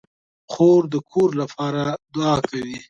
خور د کور لپاره دعا کوي.